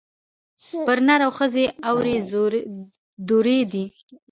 پر نر او ښځي اوري دُرې دي